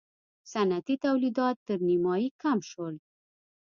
صنعتي تولیدات تر نییمایي کم شول.